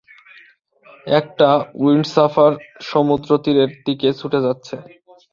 একটা উইন্ডসাফার সমুদ্রতীরের দিকে ছুটে যাচ্ছে।